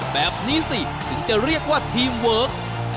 แบบนี้สิถึงจะเรียกว่าทีมเวิร์ค